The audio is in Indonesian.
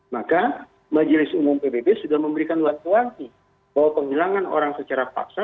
maka majelis umum pbb sudah memberikan waktu wangi bahwa penghilangan orang secara paksa